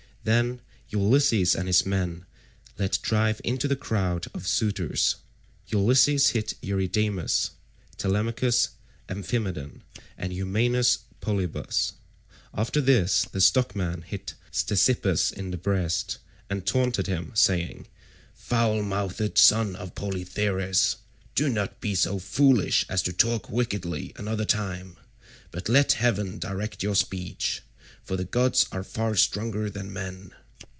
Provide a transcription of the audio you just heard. Then Ulysses and his men let drive into the crowd of suitors. Ulysses hit Eurydamas, Telemachus Amphimedon, and Eumaeus Polybus. After this the stockman hit Ctesippus in the breast, and taunted him saying, "Foul mouthed son of Polytherses, do not be so foolish as to talk wickedly another time, but let heaven direct your speech, for the gods are far stronger than men.